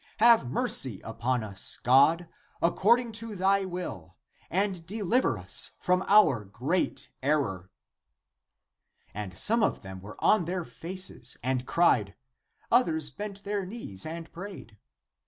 Have mercy upon us, God, according to thy will, and deliver us from our great error." And some of them were on their faces and cried; others bent their knees and prayed.